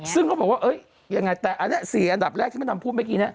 ซึ่งเขาบอกว่ายังไงแต่อันนี้๔อันดับแรกที่มาดำพูดเมื่อกี้เนี่ย